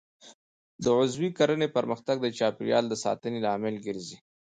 د عضوي کرنې پرمختګ د چاپیریال د ساتنې لامل ګرځي.